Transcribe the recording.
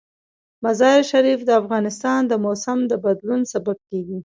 مزارشریف د افغانستان د موسم د بدلون سبب کېږي.